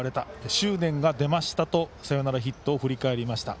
執念が出ましたとサヨナラヒットを振り返りました。